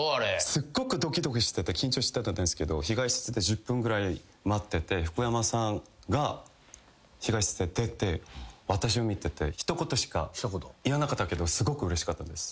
すっごくドキドキしてて緊張してたんですけど控室で１０分ぐらい待ってて福山さんが控室出て私を見てて一言しか言わなかったけどすごくうれしかったんです。